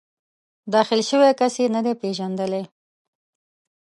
داخل شوی کس یې نه دی پېژندلی.